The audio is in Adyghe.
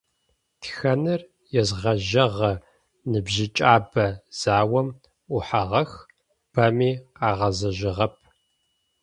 Тхэныр езгъэжьэгъэ ныбжьыкӏабэ заом ӏухьагъэх, бэми къагъэзэжьыгъэп.